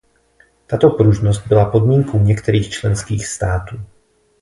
Tato pružnost byla podmínkou některých členských států.